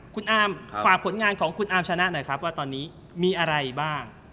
คุณอามฝากผลงานของคุณอาร์มชนะหน่อยครับว่าตอนนี้มีอะไรบ้าง